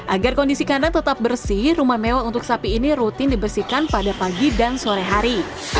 agar kondisi kandang tetap bersih rumah mewah untuk sapi ini rutin dibersihkan pada pagi dan sore hari